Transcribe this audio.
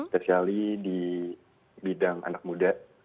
spesiali di bidang anak muda